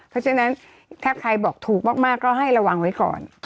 เพราะฉะนั้นถ้าใครบอกถูกมากก็ให้ระวังไว้ก่อน